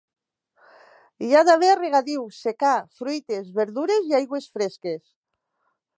Hi ha d'haver regadiu, secà, fruites, verdures i aigües fresques.